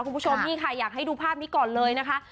คุณผู้ชมนี่ค่ะอยากให้ดูภาพนี้ก่อนเลยนะคะ